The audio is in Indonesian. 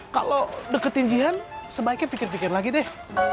kalo deketin jihante sebaiknya pikir pikir lagi deh